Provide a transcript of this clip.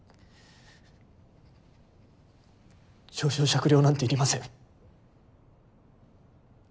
情状酌量なんて要りません。